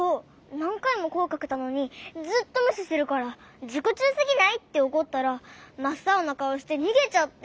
なんかいもこえかけたのにずっとむししてるから「じこちゅうすぎない！？」っておこったらまっさおなかおしてにげちゃって。